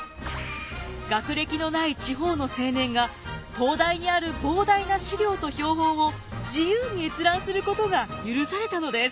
学歴のない地方の青年が東大にある膨大な資料と標本を自由に閲覧することが許されたのです。